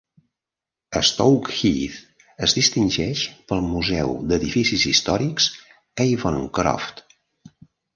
Stoke Heath es distingeix pel Museu d'edificis històrics Avoncroft.